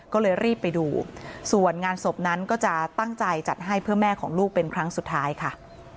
ก็เลยรีบไปดูส่วนงานศพนั้นก็จะตั้งใจจัดให้เพื่อแม่ของลูกเป็นครั้งสุดท้ายค่ะ